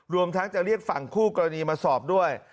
รวมทั้งจะเรียกฝั่งคู่กรณีมาสอบด้วย